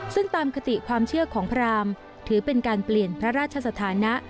ซึ่งตามคติความเชื่อของพรามถือเป็นการเปลี่ยนพระราชสถานะ